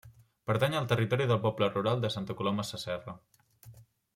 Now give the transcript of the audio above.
Pertany al territori del poble rural de Santa Coloma Sasserra.